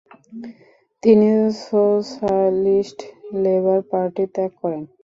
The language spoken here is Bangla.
তিনি সোশ্যালিস্ট লেবার পার্টি ত্যাগ করেন।